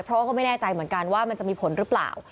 เพราะว่าก็ไม่แน่ใจเหมือนกันว่ามันจะมีผลหรือเปล่า